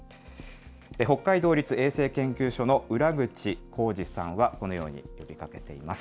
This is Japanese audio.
北海道立衛生研究所の浦口宏二さんはこのように呼びかけています。